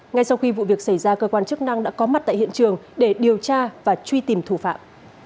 ngay sau khi vụ việc xảy ra cơ quan chức năng đã có mặt tại hiện trường để điều tra và truy tìm thủ phạm